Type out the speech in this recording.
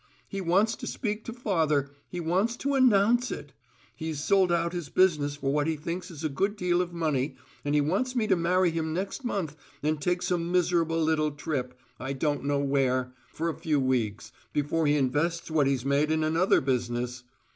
He wants to speak to father; he wants to announce it. He's sold out his business for what he thinks is a good deal of money, and he wants me to marry him next month and take some miserable little trip, I don't know where, for a few weeks, before he invests what he's made in another business.